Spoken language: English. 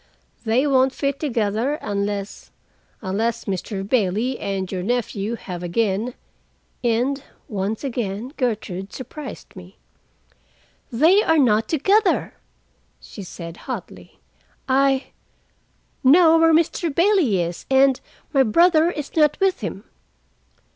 They won't fit together, unless—unless Mr. Bailey and your nephew have again—" And once again Gertrude surprised me. "They are not together," she said hotly. "I—know where Mr. Bailey is, and my brother is not with him."